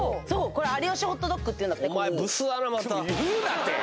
これ有吉ホットドッグっていうんだって言うなよ